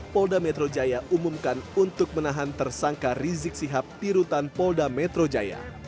polda metro jaya umumkan untuk menahan tersangka rizik sihab di rutan polda metro jaya